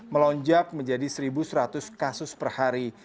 melonjak menjadi satu seratus kasus per hari